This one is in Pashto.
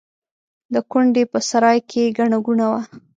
د کونډې په سرای کې ګڼه ګوڼه وه.